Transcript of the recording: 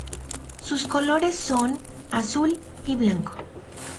Sus colores son azul y blanco.